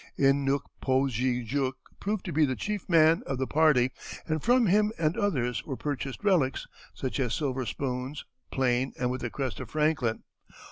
In nook poo zhee jook proved to be the chief man of the party, and from him and others were purchased relics, such as silver spoons, plain and with the crest of Franklin.